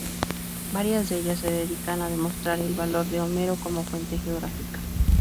Varias de ellas se dedican a demostrar el valor de Homero como fuente geográfica.